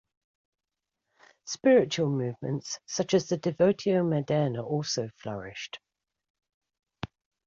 Spiritual movements such as the Devotio Moderna also flourished.